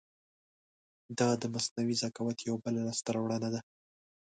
دا د مصنوعي ذکاوت یو بله لاسته راوړنه ده.